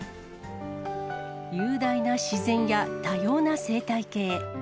雄大な自然や多様な生態系。